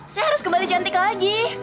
saya harus kembali cantik lagi